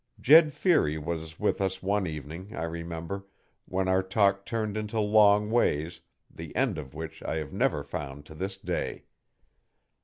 Jed Feary was with us one evening, I remember, when our talk turned into long ways, the end of which I have never found to this day.